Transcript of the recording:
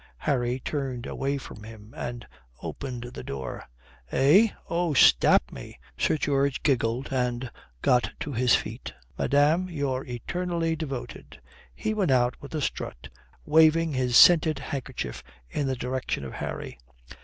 Harry turned away from him and opened the door. "Eh? Oh, stap me!" Sir George giggled and got on to his feet, "Madame, your eternally devoted." He went out with a strut, waving his scented handkerchief in the direction of Harry.